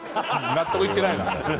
納得いってないな。